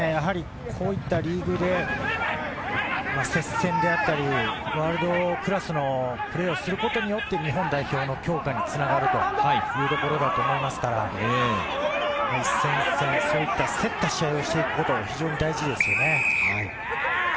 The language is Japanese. こういったリーグで、接戦であったり、ワールドクラスのプレーをすることによって日本代表の強化につながるというところだと思いますから、一戦一戦、そういった競った試合をしていくことが非常に大事ですね。